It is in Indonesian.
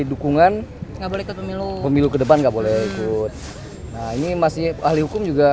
dukungan nggak boleh ke pemilu pemilu ke depan nggak boleh ikut nah ini masih ahli hukum juga